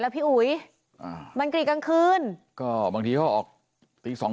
พี่อุ๋ยอ่ามันกรีดกลางคืนก็บางทีเขาออกตีสอง